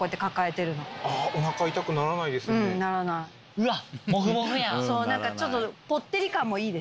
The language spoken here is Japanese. うわっ！